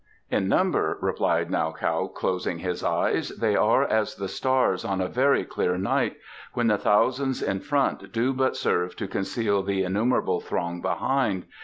"In number," replied Nau Kaou, closing his eyes, "they are as the stars on a very clear night, when the thousands in front do but serve to conceal the innumerable throng behind.